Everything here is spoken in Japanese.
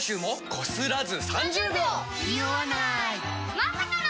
まさかの。